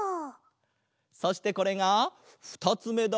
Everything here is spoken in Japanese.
そしてこれが２つめだ。